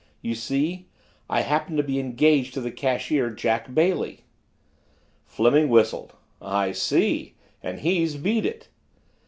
You see, I happen to be engaged to the cashier, Jack Bailey " Fleming whistled. "I see! And he's beat it!"